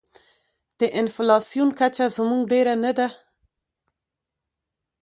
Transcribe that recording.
د انفلاسیون کچه زموږ ډېره نه ده.